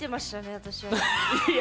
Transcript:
私は。